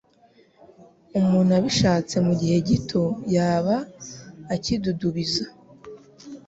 Umuntu abishatse mu gihe gito yaba akidudubiza,